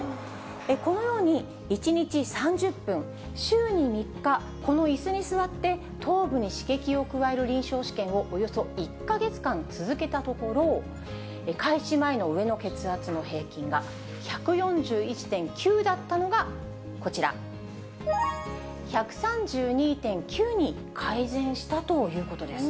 このように１日３０分、週に３日、このいすに座って頭部に刺激を加える臨床試験をおよそ１か月間続けたところ、開始前の上の血圧の平均が１４１．９だったのが、こちら、１３２．９に改善したということです。